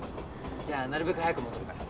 じゃあなるべく早く戻るから。